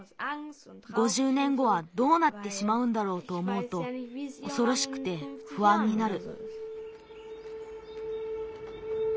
５０ねんごはどうなってしまうんだろうとおもうとおそろしくてふあんになる。